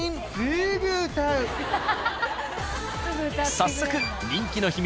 早速人気の秘密